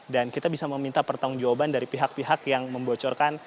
dan kita bisa meminta pertanggungjawaban dari pihak pihak yang membocorkan